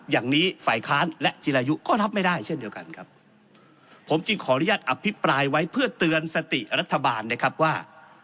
อย่างนี้ฝ่ายค้านและจิรายุก็รับไม่ได้เช่นเดียวกันครับผมจึงขออนุญาตอภิปรายไว้เพื่อเตือนสติรัฐบาลนะครับว่า